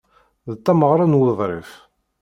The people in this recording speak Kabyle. D tameɣra n wuḍrif.